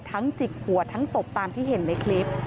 จิกหัวทั้งตบตามที่เห็นในคลิป